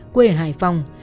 quê hải phòng